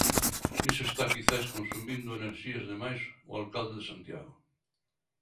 Niso está quizais consumindo enerxías de máis o alcalde de Santiago.